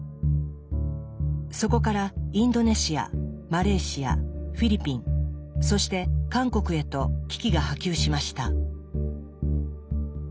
そこからインドネシアマレーシアフィリピンそして韓国へと危機が波及しました。